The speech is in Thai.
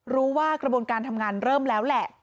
กระบวนการทำงานเริ่มแล้วแหละ